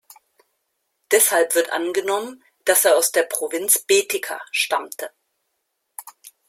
Deshalb wird angenommen, dass er aus der Provinz Baetica stammte.